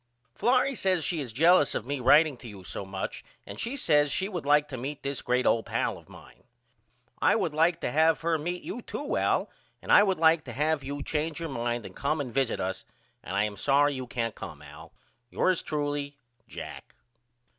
Florrie says she is jealous of me writeing to you so much and she says she would like to meet this great old pal of mine. I would like to have her meet you to Al and I would like to have you change your mind and come and visit us and I am sorry you can't come Al. Yours truly, JACK.